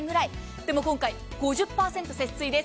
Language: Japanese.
でも今回、５０％節水です。